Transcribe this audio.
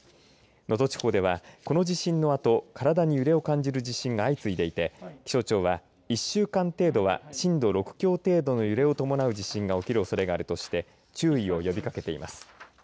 能登地方では、この地震のあと体に揺れを感じる地震が相次いでいて気象庁は１週間程度は震度６強程度の揺れを伴う地震が起きるおそれがあるとして注意を呼びかけています。